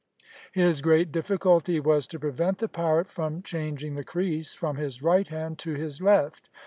His great difficulty was to prevent the pirate from changing the creese from his right hand to his left.